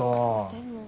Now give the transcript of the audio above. でも。